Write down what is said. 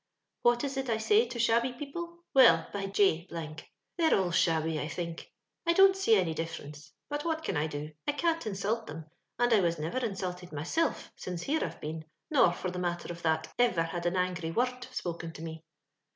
" What is it I say to shabby people f Well, by J , they're all shabby, I think. I dont see any difference ; but what can I do f I can't insult thim, and I was niver insulted mysilf; since here I've been, nor, for the matter of that, ever had an angry worrud spoken to me.